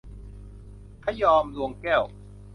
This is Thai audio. พะยอม ดวงแก้ว